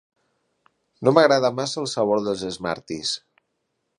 No m'agrada massa el sabor dels Smarties.